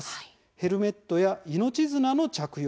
ヘルメットや命綱の着用。